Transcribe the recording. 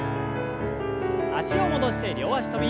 脚を戻して両脚跳び。